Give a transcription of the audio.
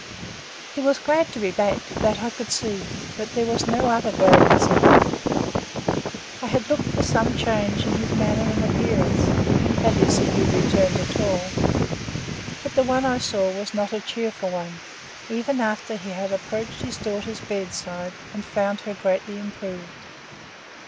He was glad to be back; that I could see, but there was no other gladness in him. I had looked for some change in his manner and appearance,—that is, if he returned at all,—but the one I saw was not a cheerful one, even after he had approached his daughter's bedside and found her greatly improved.